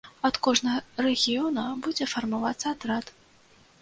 Ад кожнага рэгіёна будзе фармавацца атрад.